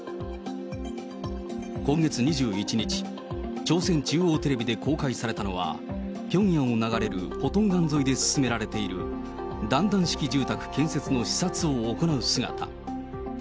今月２１日、朝鮮中央テレビで公開されたのは、ピョンヤンを流れるポトンガン沿いで進められているだんだん式住宅建設の視察を行う姿。